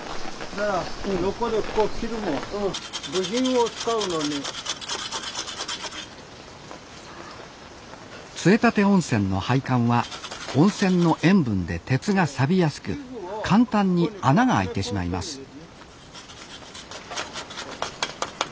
杖立温泉の配管は温泉の塩分で鉄がさびやすく簡単に穴が開いてしまいます